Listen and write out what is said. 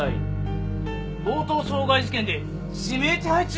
強盗傷害事件で指名手配中！？